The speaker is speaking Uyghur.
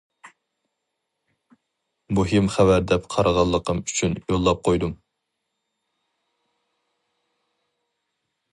مۇھىم خەۋەر دەپ قارىغانلىقىم ئۈچۈن يوللاپ قويدۇم.